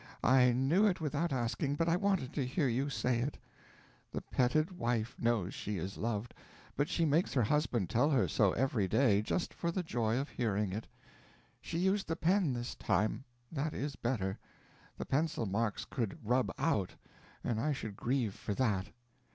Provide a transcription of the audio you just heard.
I knew it without asking, but I wanted to hear you say it. The petted wife knows she is loved, but she makes her husband tell her so every day, just for the joy of hearing it.... She used the pen this time. That is better; the pencil marks could rub out, and I should grieve for that.